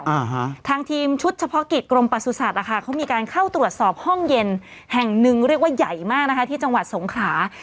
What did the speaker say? อ่าฮะทางทีมชุดเฉพาะกิจกรมประสุทธิ์อ่ะค่ะเขามีการเข้าตรวจสอบห้องเย็นแห่งหนึ่งเรียกว่าใหญ่มากนะคะที่จังหวัดสงขลา